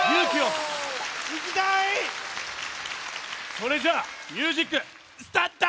それじゃあミュージックスタート！